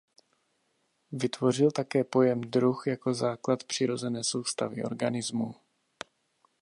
Vytvořil také pojem druh jako základ přirozené soustavy organismů.